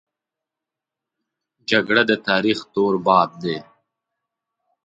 جګړه د تاریخ تور باب دی